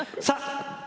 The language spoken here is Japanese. さあ！